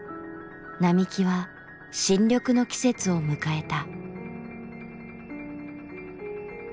並木は新緑の季節を迎えた。